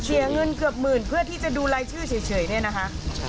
เสียเงินเกือบหมื่นเพื่อที่จะดูรายชื่อเฉยเนี่ยนะคะ